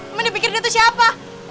cuma dipikir dia tuh siapa